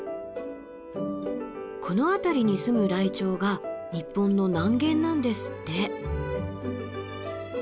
この辺りに住むライチョウが日本の南限なんですって。